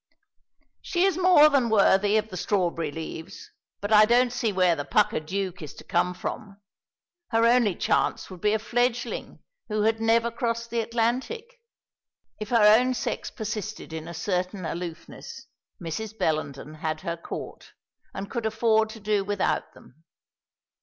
"She is more than worthy of the strawberry leaves; but I don't see where the pucker duke is to come from. Her only chance would be a fledgling, who had never crossed the Atlantic." If her own sex persisted in a certain aloofness, Mrs. Bellenden had her court, and could afford to do without them.